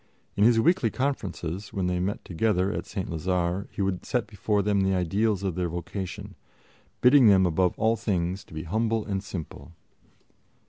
In his weekly conferences, when they met together at St. Lazare, he would set before them the ideals of their vocation, bidding them above all things to be humble and simple.